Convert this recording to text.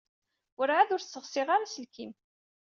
Werɛad ur sseɣsiɣ ara aselkim.